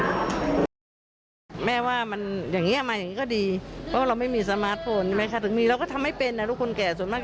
คำหน้าเงิน๗๐๐๐บาทนี่ไหมลูกอย่างนั้นนะ